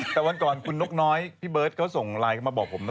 แต่วันก่อนคุณนกน้อยพี่เบิร์ตเขาส่งไลน์เข้ามาบอกผมนะ